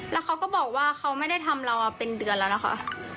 แล้วเขาก็บอกว่าเขาไม่ได้ทำเรามาเป็นเดือนแล้วนะคะ